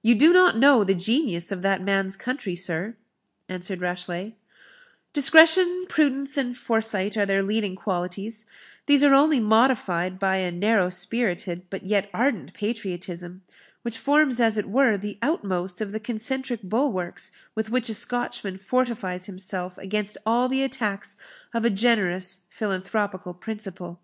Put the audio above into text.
"You do not know the genius of that man's country, sir," answered Rashleigh; "discretion, prudence, and foresight, are their leading qualities; these are only modified by a narrow spirited, but yet ardent patriotism, which forms as it were the outmost of the concentric bulwarks with which a Scotchman fortifies himself against all the attacks of a generous philanthropical principle.